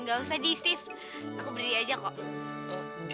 gak usah di steve aku berdiri aja kok